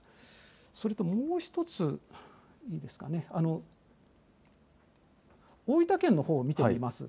それともう１つ大分県の方を見てみます。